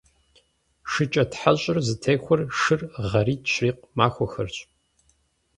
ШыкӀэтхьэщӀыр зытехуэр шыр гъэритӀ щрикъу махуэхэрщ.